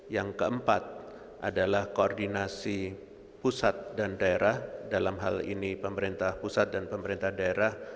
yang keempat adalah koordinasi pusat dan daerah dalam hal ini pemerintah pusat dan pemerintah daerah